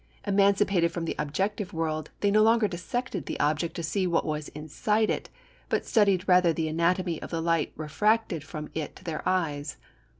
Emancipated from the objective world, they no longer dissected the object to see what was inside it, but studied rather the anatomy of the light refracted from it to their eyes.